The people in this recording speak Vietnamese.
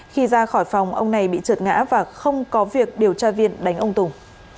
khi ra khỏi phòng ông này bị trượt ngã và không có việc điều tra viên đánh ông tùng